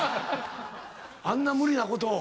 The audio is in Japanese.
あんな無理なことを。